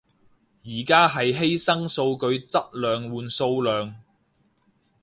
而家係犧牲數據質量換數量